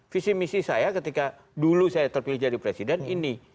visi misi saya ketika dulu saya terpilih jadi presiden ini